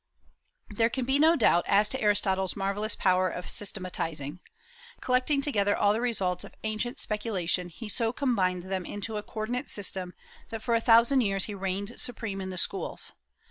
There can be no doubt as to Aristotle's marvellous power of systematizing. Collecting together all the results of ancient speculation, he so combined them into a co ordinate system that for a thousand years he reigned supreme in the schools.